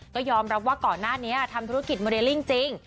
ก็ยอมรับว่าก่อนหน้านี้ทำธุรกิจโมเดลลิ่งจริง